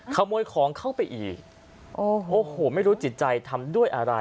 ขโมยของเข้าไปอีกโอ้โหไม่รู้จิตใจทำด้วยอะไร